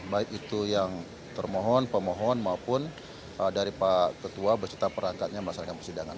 baik itu yang termohon pemohon maupun dari pak ketua beserta perangkatnya melaksanakan persidangan